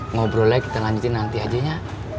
ngobrol lagi kita lanjutin nanti aja ya